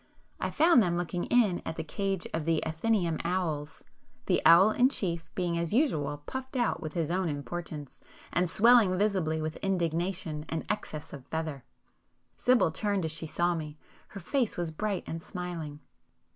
I found them looking in at the cage of the 'Athenæum' owls,—the owl in chief being as usual puffed out with his own importance, and swelling visibly with indignation and excess of feather. Sibyl turned as she saw me,—her face was bright and smiling.